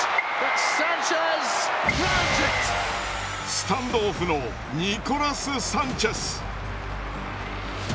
スタンドオフのニコラス・サンチェス。